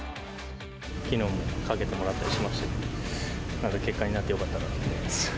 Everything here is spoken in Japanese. きのう、かけてもらったりしましたけど、結果になってよかったなと思います。